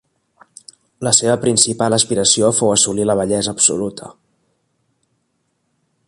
La seva principal aspiració fou assolir la bellesa absoluta.